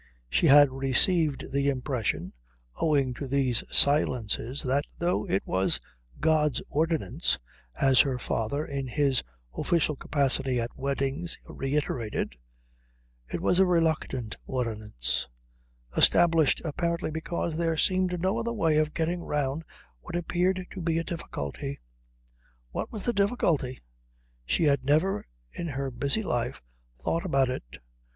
She had received the impression, owing to these silences, that though it was God's ordinance, as her father in his official capacity at weddings reiterated, it was a reluctant ordinance, established apparently because there seemed no other way of getting round what appeared to be a difficulty. What was the difficulty? She had never in her busy life thought about it.